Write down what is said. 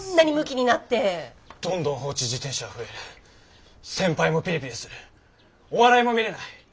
どんどん放置自転車は増える先輩もピリピリするお笑いも見れない。